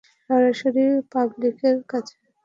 সরাসরি পাবলিকের কাছে।